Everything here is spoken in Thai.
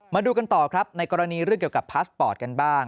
มาดูกันต่อครับในกรณีเรื่องเกี่ยวกับพาสปอร์ตกันบ้าง